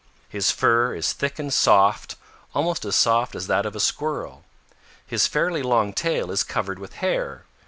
His fur is thick and soft, almost as soft as that of a Squirrel. His fairly long tail is covered with hair.